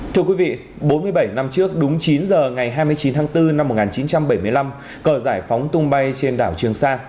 thưa quý vị bốn mươi bảy năm trước đúng chín giờ ngày hai mươi chín tháng bốn năm một nghìn chín trăm bảy mươi năm cờ giải phóng tung bay trên đảo trường sa